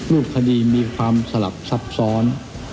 รูปคดีมีความสลับซับซ้อน